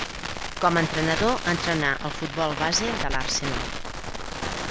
Com entrenador entrenà al futbol base de l'Arsenal.